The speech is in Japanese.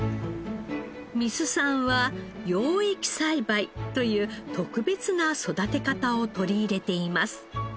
三須さんは養液栽培という特別な育て方を取り入れています。